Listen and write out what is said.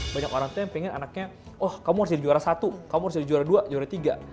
banyak orang tuh yang pengen anaknya oh kamu harus jadi juara satu kamu harus jadi juara dua juara tiga